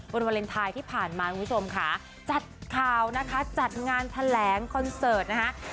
วาเลนไทยที่ผ่านมาคุณผู้ชมค่ะจัดข่าวนะคะจัดงานแถลงคอนเสิร์ตนะคะ